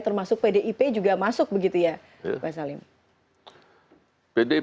termasuk pdip juga masuk begitu ya pak salim